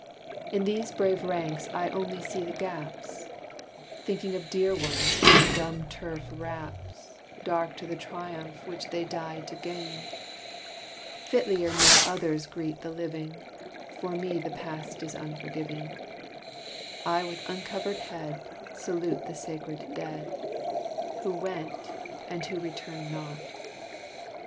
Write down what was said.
In these brave ranks I only see the gaps, Thinking of dear ones whom the dumb turf wraps, Dark to the triumph which they died to gain: Fitlier may others greet the living, For me the past is unforgiving; I with uncovered head Salute the sacred dead, Who went, and who return not.